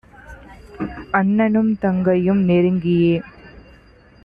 அண்ண னும்தங் கையும் நெருங்கியே